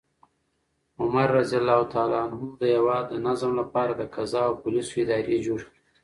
عمر رض د هیواد د نظم لپاره د قضا او پولیسو ادارې جوړې کړې.